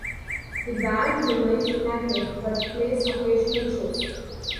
The band remains inactive, but plays occasional shows.